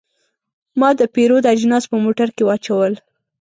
ما د پیرود اجناس په موټر کې واچول.